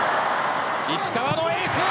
石川のエース！